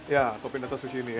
ya toping atas sushi ini ya